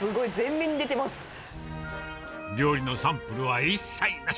料理のサンプルは一切なし。